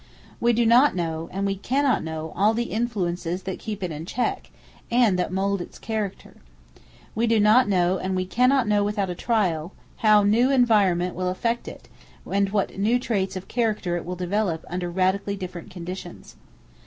We do not know, and we can not know, all the influences that keep it in check, and that mould its character. We do not know, and we can not know without a trial, how new environment will affect it, and what new traits of character it will develop under radically different conditions.